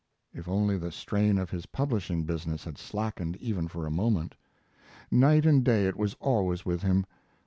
If only the strain of his publishing business had slackened even for a moment! Night and day it was always with him.